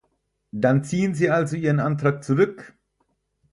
Dann ziehen Sie also Ihren Antrag zurück.